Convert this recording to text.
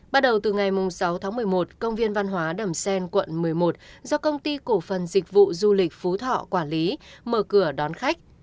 bắt đầu từ ngày sáu tháng một mươi một công viên văn hóa đầm xen quận một mươi một do công ty cổ phần dịch vụ du lịch phú thọ quản lý mở cửa đón khách